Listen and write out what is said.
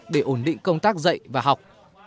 để ổn định công tác dạy và học